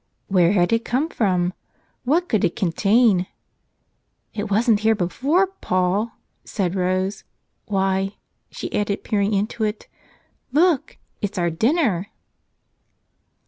Where had it come from? What could it contain? "It wasn't here before, Paul," said Rose. "Why," she added, peering into it, "look! it's our dinner."